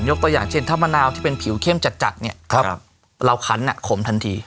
ตัวอย่างเช่นถ้ามะนาวที่เป็นผิวเข้มจัดเนี่ยเราคันขมทันที